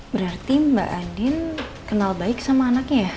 berarti mbak adin kenal baik sama anaknya ya